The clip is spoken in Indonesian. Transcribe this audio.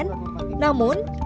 namun khairul huda menurut saya